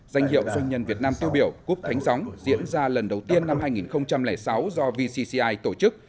danh hiệu doanh nhân việt nam tiêu biểu cúp thánh gióng diễn ra lần đầu tiên năm hai nghìn sáu do vcci tổ chức